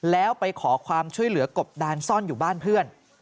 แล้วไปขอความช่วยเหลือกบดานซ่อนอยู่บ้านเพื่อน